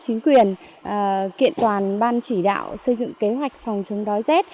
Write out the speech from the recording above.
chính quyền kiện toàn ban chỉ đạo xây dựng kế hoạch phòng chống đói rét